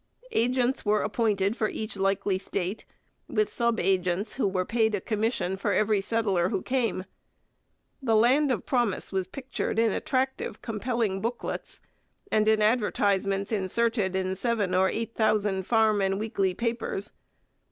Agents were appointed for each likely state, with sub agents who were paid a commission for every settler who came. The land of promise was pictured in attractive, compelling booklets, and in advertisements inserted in seven or eight thousand farm and weekly papers.